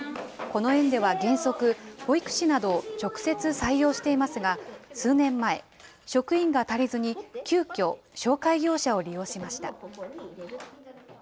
この園では原則、保育士などを直接採用していますが、数年前、職員が足りずに急きょ、紹介業者を利用しました。